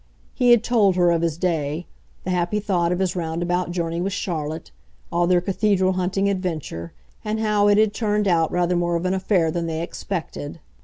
He had told her of his day, the happy thought of his roundabout journey with Charlotte, all their cathedral hunting adventure, and how it had turned out rather more of an affair than they expected.